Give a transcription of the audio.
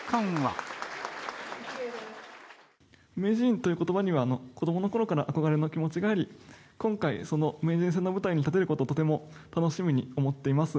名人ということばには、子どものころから憧れの気持ちがあり、今回、その名人戦の舞台に立てることをとても楽しみに思っています。